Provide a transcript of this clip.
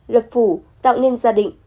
lập phủ tạo nên gia đình